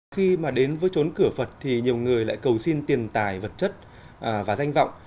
khi mà đến với chốn cửa phật thì nhiều người lại cầu xin tiền tài vật chất và danh vọng